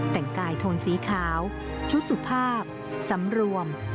แต่งกายโทนสีขาวชุดสุภาพสำรวม